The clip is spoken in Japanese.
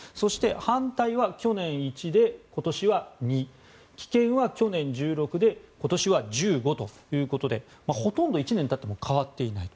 反対は去年１で今年２棄権は去年１６で今年は１５ということでほとんど１年経っても変わっていない。